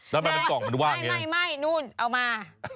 ทำไมมันกล่องมันว่างอย่างนี้นะค่ะใช่ไม่นู่นเอามา